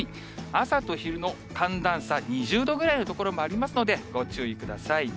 朝と昼の寒暖差２０度ぐらいの所もありますので、ご注意ください。